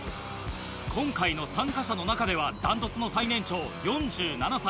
今回の参加者の中では断トツの最年長４７歳。